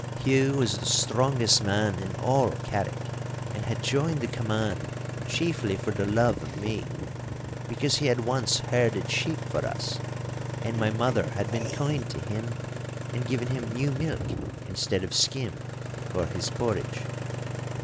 Hugh was the strongest man in all Carrick, and had joined the command chiefly for the love of me—because he had once herded sheep for us, and my mother had been kind to him and given him new milk instead of skim for his porridge.